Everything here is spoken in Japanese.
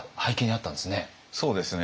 そうですね。